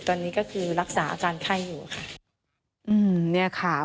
ตอนนี้ก็คือรักษาอาการไข้อยู่ค่ะ